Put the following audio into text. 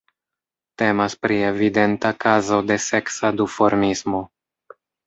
Temas pri evidenta kazo de seksa duformismo.